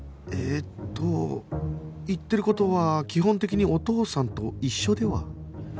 えーっと言ってる事は基本的にお義父さんと一緒では？